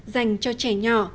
dành cho trẻ nhỏ